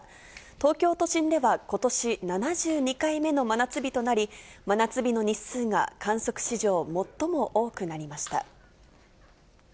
東京都心では、ことし７２回目の真夏日となり、真夏日の日数が観測史上最も多くなりました。